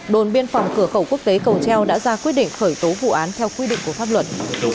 đồn biên phòng cửa khẩu quốc tế cầu treo đã ra quyết định khởi tố vụ án theo quy định của pháp luật